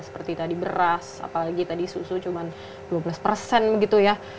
seperti tadi beras apalagi tadi susu cuma dua belas persen begitu ya